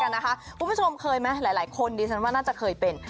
คุณผู้ชมเคยไหมหลายคนดิฉันว่าน่าจะเคยเป็น